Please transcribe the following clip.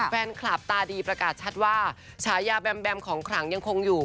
ตาดีประกาศชัดว่าฉายาแบมแบมของขลังยังคงอยู่